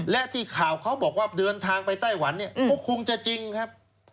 และที่ข่าวเขาบอกว่าเดินทางไปไต้หวันเนี่ยก็คงจะจริงครับ